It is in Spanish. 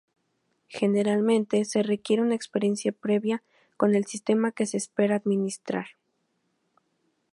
Generalmente, se requiere una experiencia previa con el sistema que se espera administrar.